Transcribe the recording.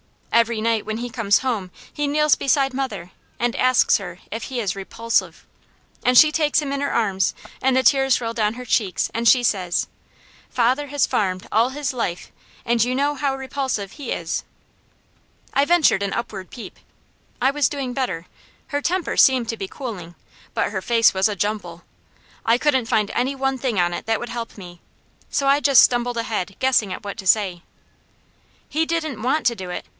Every night when he comes home, he kneels beside mother and asks her if he is 'repulsive,' and she takes him in her arms and the tears roll down her cheeks and she says: 'Father has farmed all his life, and you know how repulsive he is.'" I ventured an upward peep. I was doing better. Her temper seemed to be cooling, but her face was a jumble. I couldn't find any one thing on it that would help me, so I just stumbled ahead guessing at what to say. "He didn't WANT to do it.